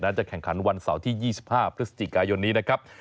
จะแข่งขันวันเสาร์ที่๒๕พฤศจิกายนนี้นะครับ